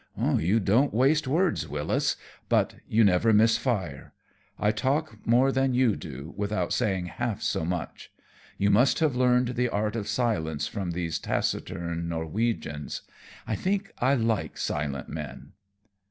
"You don't waste words, Wyllis, but you never miss fire. I talk more than you do, without saying half so much. You must have learned the art of silence from these taciturn Norwegians. I think I like silent men."